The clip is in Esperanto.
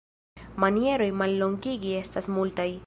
Manieroj mallongigi estas multaj.